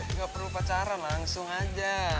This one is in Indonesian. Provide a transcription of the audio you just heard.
enggak perlu pacaran langsung aja